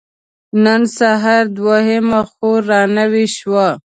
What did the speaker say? نن سهار دوهمه خور را نوې شوه.